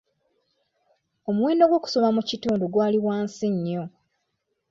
Omuwendo gw'okusoma mu kitundu gwali wansi nnyo.